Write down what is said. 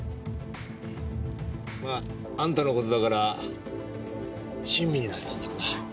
まあんたの事だから親身になってたんだろうな。